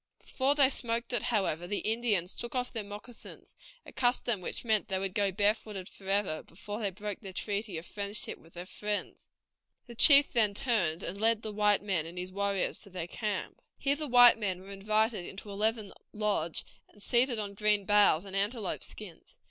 Before they smoked it, however, the Indians took off their moccasins, a custom which meant that they would go barefooted forever, before they broke their treaty of friendship with their friends. The chief then turned and led the white men and his warriors to their camp. Here the white men were invited into a leathern lodge, and seated on green boughs and antelope skins.